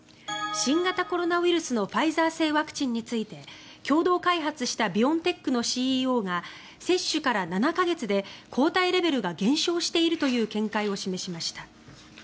新型コロナウイルスのファイザー製ワクチンについて共同開発したビオンテックのＣＥＯが接種から７か月で抗体レベルが減少しているという見解を示しました。